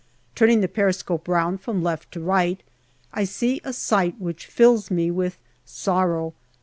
Turning the periscope round from left to right, I see a sight which fills me with sorrow.